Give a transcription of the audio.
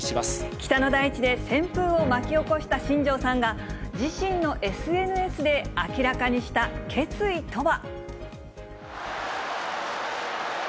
北の大地で旋風を巻き起こした新庄さんが、自身のＳＮＳで明らかにした決意とは。